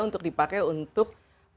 untuk dipakai untuk